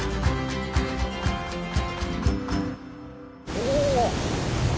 お。